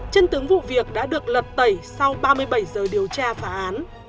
chân tướng vụ việc đã được lật tẩy sau ba mươi bảy giờ điều tra phá án